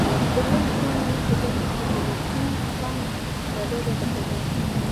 د نوي پلان له مخې دا کرښه د روټي فنک له لارې غځېده.